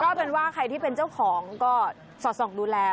เอาเป็นว่าใครที่เป็นเจ้าของก็สอดส่องดูแล